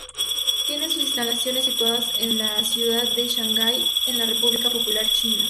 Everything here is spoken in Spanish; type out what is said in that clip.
Tiene sus instalaciones situadas en la ciudad de Shanghai, en la República Popular China.